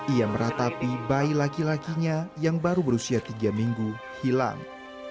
ia meratapi bayi laki lakinya yang baru berusia tiga minggu hilang